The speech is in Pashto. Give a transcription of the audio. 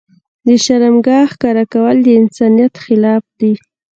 د شرمګاه ښکاره کول د انسانيت خلاف دي.